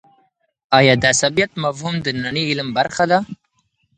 آیا د عصبيت مفهوم د ننني علم برخه ده؟